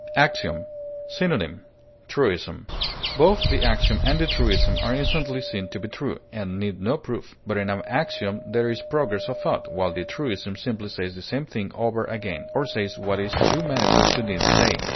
AXIOM. Synonym: truism. Both the axiom and the truism are instantly seen to be true, and need no proof; but in an axiom there is progress of thought, while the truism simply says the same thing over again, or says what is too manifest to need saying.